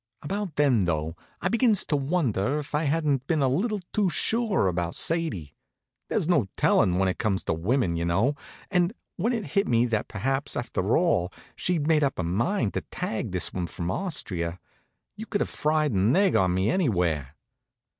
About then, though, I begins to wonder if I hadn't been a little too sure about Sadie. There's no tellin', when it comes to women, you know; and when it hit me that perhaps, after all, she'd made up her mind to tag this one from Austria, you could have fried an egg on me anywhere.